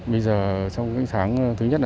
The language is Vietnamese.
bây giờ trong cái tháng thứ nhất